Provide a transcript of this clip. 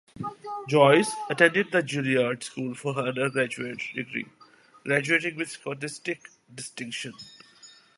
Joyce attended The Juilliard School for her undergraduate degree (graduating with scholastic distinction).